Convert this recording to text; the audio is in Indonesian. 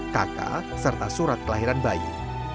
kakak serta surat kelahiran bayi